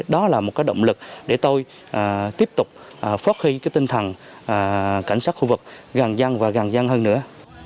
đó là một động lực để tôi tiếp tục phát huy tinh thần cảnh sát khu vực gàng gian và gàng gian hơn nữa